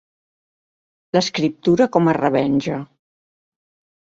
L'escriptura com a revenja.